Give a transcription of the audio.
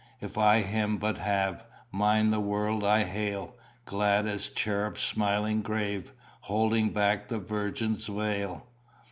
If I Him but have, Mine the world I hail! Glad as cherub smiling grave, Holding back the virgin's veil.